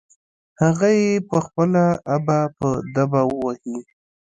هغه يې په خپله ابه په دبه وهي.